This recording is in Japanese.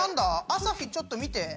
朝日ちょっと見て。